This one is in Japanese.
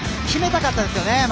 決めたかったですよね